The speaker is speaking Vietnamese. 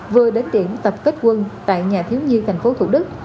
vừa đến điểm tập kết quân tại nhà thiếu nhi thành phố thủ đức